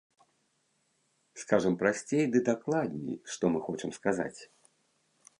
Скажам прасцей ды дакладней, што мы хочам сказаць.